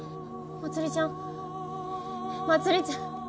まつりちゃん？